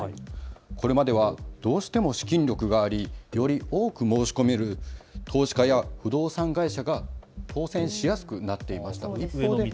これまではどうしても資金力があり、より多く申し込める投資家や不動産会社が当せんしやすくなっていました。